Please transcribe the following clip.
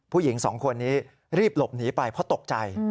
ผู้หญิงสองคนนี้รีบหลบหนีไปเพราะตกใจ